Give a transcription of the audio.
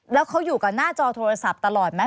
แล้วเขาอยู่กับหน้าจอโทรศัพท์ตลอดไหม